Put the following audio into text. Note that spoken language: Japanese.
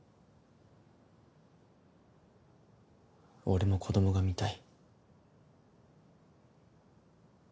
俺も子どもが見たい。